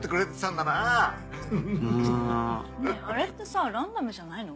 あれってさランダムじゃないの？